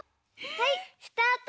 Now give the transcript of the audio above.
はいスタート！